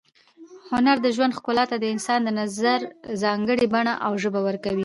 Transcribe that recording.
هنر د ژوند ښکلا ته د انسان د نظر ځانګړې بڼه او ژبه ورکوي.